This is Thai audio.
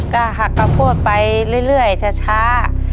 ก็หักกระพพดไปเรื่อยชาว